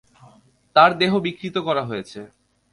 তার দেহ বিকৃত করা হয়েছে।